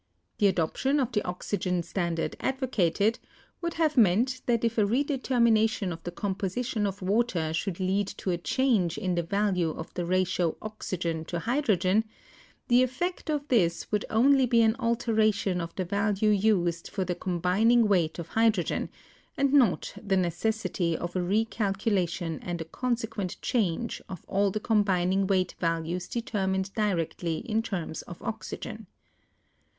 The adoption of the oxygen standard advocated would have meant that if a redetermination of the composition of water should lead to a change in the value of the ratio oxygen : hydrogen, the effect of this would only be an al teration of the value used for the combining weight of hydrogen, and not the necessity of a recalculation and a consequent change of all the combining weight values de termined directly in terms of oxygen.